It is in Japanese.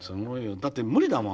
だって無理だもん